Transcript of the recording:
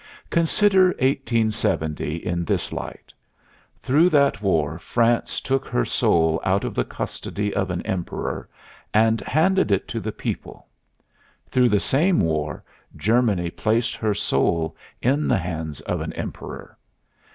Consider 1870 in this light: Through that war France took her soul out of the custody of an Emperor and handed it to the people; through the same war Germany placed her soul in the hands of an Emperor.